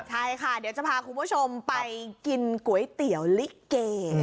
ใช่ค่ะเดี๋ยวจะพาคุณผู้ชมไปกินก๋วยเตี๋ยวลิเก